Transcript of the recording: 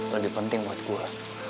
lebih penting buat gue